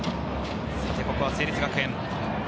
ここは成立学園。